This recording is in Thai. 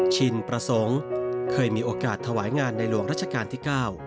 ชินประสงค์เคยมีโอกาสถวายงานในหลวงรัชกาลที่๙